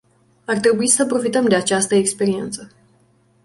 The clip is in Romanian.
Ar trebui să profităm de această experiență.